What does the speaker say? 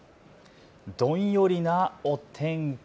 どんよりなお天気。